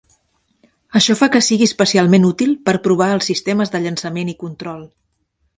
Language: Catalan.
Això fa que sigui especialment útil per provar els sistemes de llançament i control.